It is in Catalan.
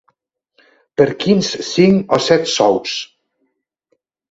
Per quins cinc o set sous?